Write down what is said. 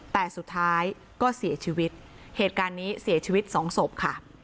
แต่สุดท้ายก็เสียชีวิตเหตุการณ์นี้เสียชีวิตสองศพค่ะ